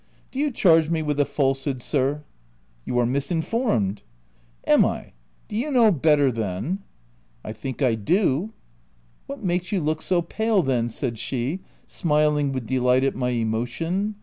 " Do you charge me with a falsehood, sir V 9 " You are misinformed. 9 \" Am I ? Do you know better then ?"" I think I do." " What makes you look so pale then ?" said she, smiling with delight at my emotion.